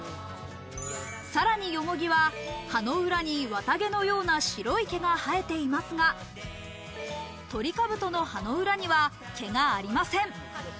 さらにヨモギは葉の裏に綿毛のような白い毛が生えていますが、トリカブトの葉の裏には毛がありません。